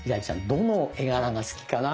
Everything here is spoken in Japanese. どの絵柄が好きかな？